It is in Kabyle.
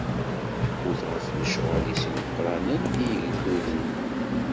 Ḥkut ɣef lecɣal-is imeqqranen i yigduden!